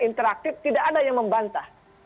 interaktif tidak ada yang membantah